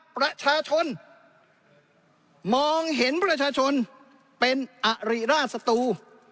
ประชาชนมองเห็นประชาชนเป็นอริราชศัตรู